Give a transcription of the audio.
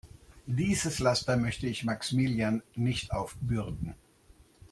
Dieses Laster möchte ich Maximilian nicht aufbürden.